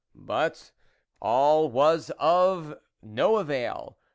But all was of no avail.